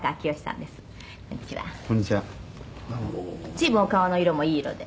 「随分お顔の色もいい色で」